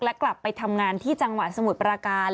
และกลับไปทำงานที่จังหวัดสมุทรปราการ